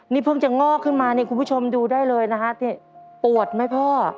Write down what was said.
นี่เพิ่งจะงอกขึ้นมานี่คุณผู้ชมดูได้เลยนะฮะนี่ปวดไหมพ่อ